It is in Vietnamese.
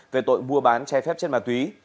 về tội mua bán trái phép chất ma túy